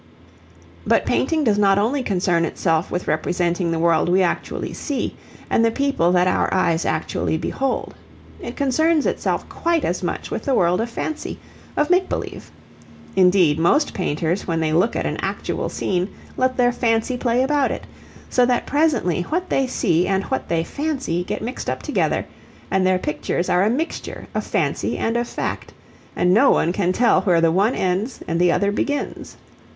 But painting does not only concern itself with representing the world we actually see and the people that our eyes actually behold. It concerns itself quite as much with the world of fancy, of make believe. Indeed, most painters when they look at an actual scene let their fancy play about it, so that presently what they see and what they fancy get mixed up together, and their pictures are a mixture of fancy and of fact, and no one can tell where the one ends and the other begins.